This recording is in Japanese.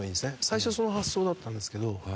最初その発想だったんですけど。